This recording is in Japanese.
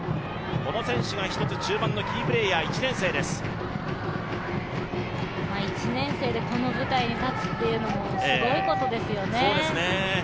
この選手が中盤のキープレーヤー１年生です１年生でこの舞台に立つというのもすごいことですよね。